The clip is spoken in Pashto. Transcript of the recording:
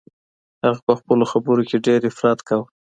هغه په خپلو خبرو کي ډیر افراط کاوه.